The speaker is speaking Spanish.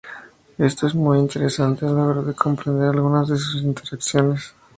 Esto es muy interesante a la hora de comprender algunas de sus interacciones.